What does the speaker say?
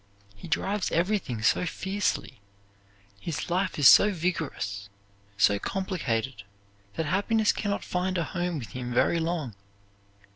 He drives everything so fiercely, his life is so vigorous, so complicated, that happiness can not find a home with him very long.